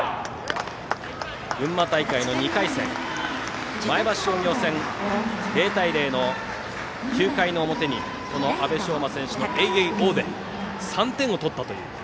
群馬大会の２回戦、前橋商業戦０対０の９回表にこの阿部匠真選手のえいえいおー！で３点を取ったという。